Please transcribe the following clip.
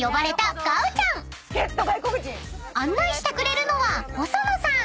［案内してくれるのは細野さん］